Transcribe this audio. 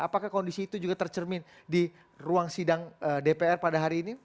apakah kondisi itu juga tercermin di ruang sidang dpr pada hari ini